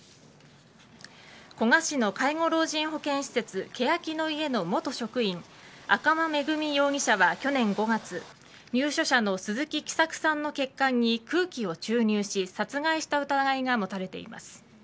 古河市の介護老人保健施設けやきの舎の元職員赤間恵美容疑者は去年５月入所者の鈴木喜作さんの血管に空気を注入し殺害した疑いが持たれています。